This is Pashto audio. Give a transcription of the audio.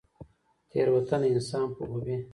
تیروتنه انسان پوهوي